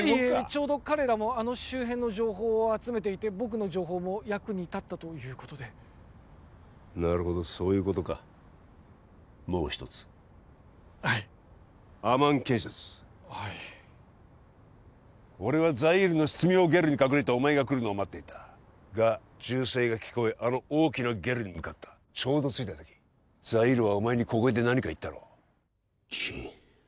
ちょうど彼らもあの周辺の情報を集めていて僕の情報も役に立ったということでなるほどそういうことかもう一つはいアマン建設はい俺はザイールの執務用ゲルに隠れてお前が来るのを待っていたが銃声が聞こえあの大きなゲルに向かったちょうど着いた時ザイールはお前に小声で何か言ったろ？